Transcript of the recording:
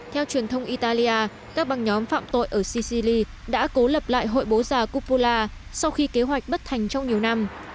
theo truyền thông italia các băng nhóm phạm tội ở sicili đã cố lập lại hội bố già copula sau khi kế hoạch bất thành trong nhiều năm